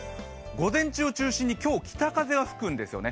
午前中を中心に今日、北風が吹くんですよね。